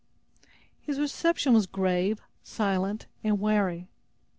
His reception was grave, silent, and wary.